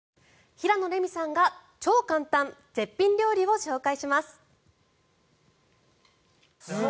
平野レミさんが超簡単、絶品料理を紹介します。